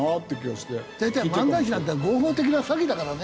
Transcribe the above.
大体漫才師なんて合法的な詐欺だからね。